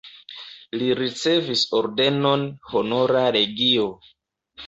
Li ricevis ordenon Honora legio.